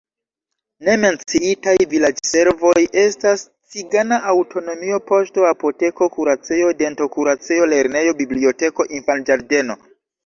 Ne menciitaj vilaĝservoj estas cigana aŭtonomio, poŝto, apoteko, kuracejo, dentokuracejo, lernejo, biblioteko, infanĝardeno.